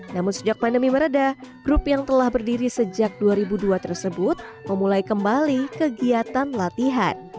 namun sejak pandemi meredah grup yang telah berdiri sejak dua ribu dua tersebut memulai kembali kegiatan latihan